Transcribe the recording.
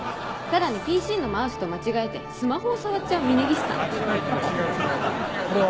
さらにＰＣのマウスと間違えてスマホを触っちゃう峰岸さん。